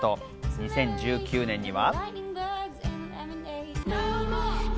２０１９年には。